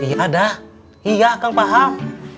iya dah iya akang paham